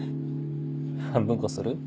半分こする？